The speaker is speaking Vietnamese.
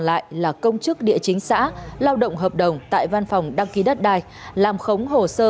lại là công chức địa chính xã lao động hợp đồng tại văn phòng đăng ký đất đai làm khống hồ sơ